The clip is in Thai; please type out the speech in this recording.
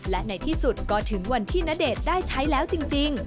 และในที่สุดก็ถึงวันที่ณเดชน์ได้ใช้แล้วจริง